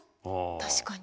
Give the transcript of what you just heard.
確かに。